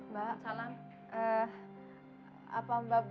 biar dikerja di sini bu